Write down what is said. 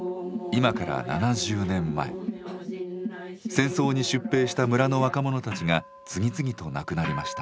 戦争に出兵した村の若者たちが次々と亡くなりました。